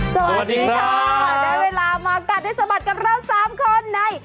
สวัสดีครับสวัสดีค่ะได้เวลามากัดให้สะบัดกันแล้ว๓คนใน